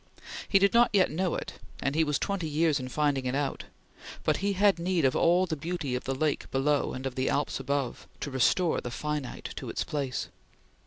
He did not yet know it, and he was twenty years in finding it out; but he had need of all the beauty of the Lake below and of the Alps above, to restore the finite to its place.